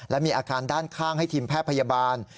และมีอาคารด้านข้างให้ทีมแพทย์พยาบาล